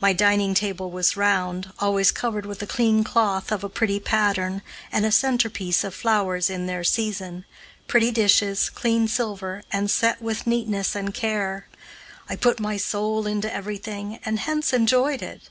My dining table was round, always covered with a clean cloth of a pretty pattern and a centerpiece of flowers in their season, pretty dishes, clean silver, and set with neatness and care. I put my soul into everything, and hence enjoyed it.